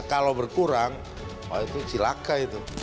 kalau berkurang itu silaka itu